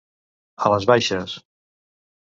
A les baixes.